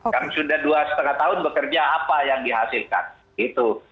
karena sudah dua lima tahun bekerja apa yang dihasilkan gitu